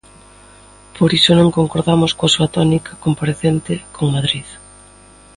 Por iso non concordamos coa súa tónica compracente con Madrid.